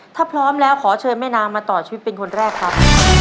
ถ้าพร้อมแล้วขอเชิญแม่นางมาต่อชีวิตเป็นคนแรกครับ